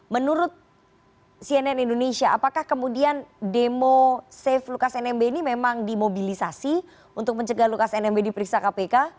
menurut cnn indonesia apakah kemudian demo safe lukas nmb ini memang dimobilisasi untuk mencegah lukas nmb diperiksa kpk